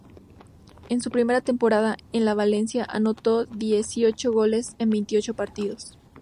En su primera temporada en el Valencia anotó dieciocho goles en veintiocho partidos.